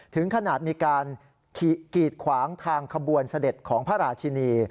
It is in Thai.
ถึงขนาดมีการกีดขวางทางขบวนเสด็จของพระราชินี